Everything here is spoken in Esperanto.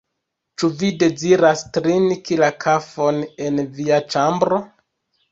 Ĉu vi deziras trinki la kafon en via ĉambro?